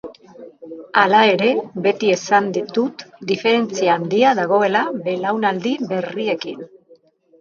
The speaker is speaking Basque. Hala ere, beti esan izan dut diferentzia handia dagoela belaunaldi berriekin.